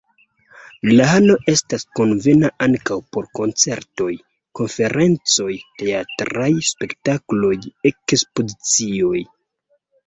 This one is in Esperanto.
La halo estas konvena ankaŭ por koncertoj, konferencoj, teatraj spektakloj, ekspozicioj.